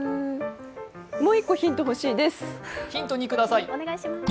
もう一個ヒント欲しいです。